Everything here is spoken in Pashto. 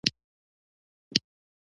سلواغه د کال یوه سړه میاشت ده.